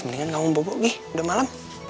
mendingan kamu bawa gue udah malam